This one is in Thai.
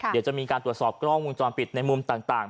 เดี๋ยวจะมีการตรวจสอบกล้องวงจรปิดในมุมต่าง